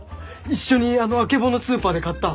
一緒にあの曙スーパーで買った。